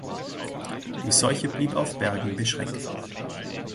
Die Seuche blieb auf Bergen beschränkt.